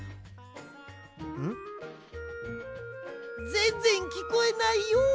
ぜんぜんきこえないよ。